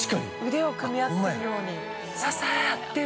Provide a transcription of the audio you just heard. ◆腕を組み合ってるように支え合ってる。